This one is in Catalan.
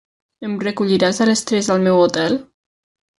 Em recolliràs a les tres al meu hotel?